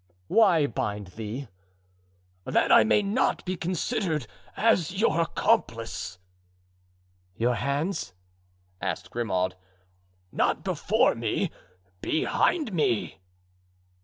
"Why bind thee?" "That I may not be considered as your accomplice." "Your hands?" asked Grimaud. "Not before me, behind me."